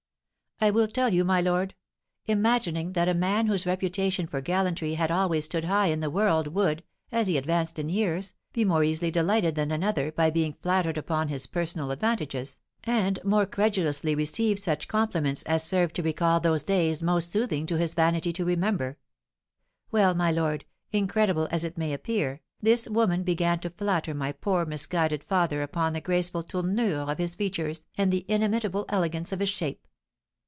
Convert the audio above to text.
"I will tell you, my lord. Imagining that a man whose reputation for gallantry had always stood high in the world would, as he advanced in years, be more easily delighted than another by being flattered upon his personal advantages, and more credulously receive such compliments as served to recall those days most soothing to his vanity to remember, well, my lord, incredible as it may appear, this woman began to flatter my poor misguided father upon the graceful tournure of his features and the inimitable elegance of his shape.